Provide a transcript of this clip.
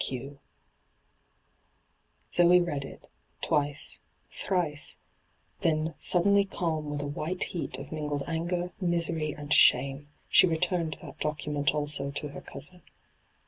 Q.' Zoe read it — twice, thrice ; then, suddenly o^m with a white heat of mingled anger, misery, and shame, she returned that docu ment also to her cousin.